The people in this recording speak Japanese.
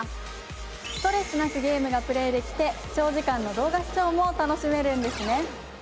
ストレスなくゲームがプレーできて長時間の動画視聴も楽しめるんですね。